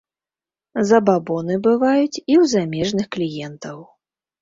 Забабоны бываюць і ў замежных кліентаў.